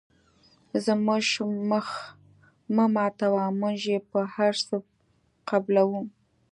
زموږ مخ مه ماتوه موږ یې په هر څه قبلوو.